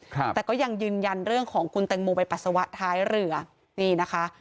ครับแต่ก็ยังยืนยันเรื่องของคุณแตงโมไปปัสสาวะท้ายเรือนี่นะคะ